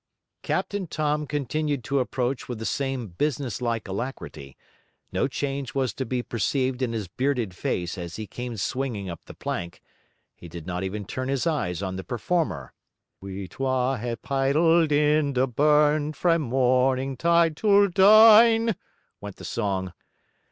Captain Tom continued to approach with the same business like alacrity; no change was to be perceived in his bearded face as he came swinging up the plank: he did not even turn his eyes on the performer. 'We twa hae paidled in the burn Frae morning tide till dine,' went the song.